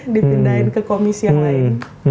dipindahin ke komisi yang lain